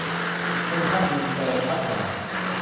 เซ็นทรัลอินเตอร์พัฒนา